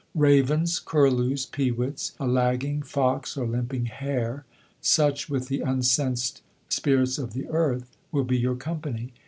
Ravens, curlews, peewits, a lagging fox or limping hare; such, with the unsensed Spirits of the Earth, will be your company.